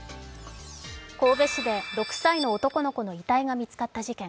神戸市で６歳の男の子の遺体が見つかった事件。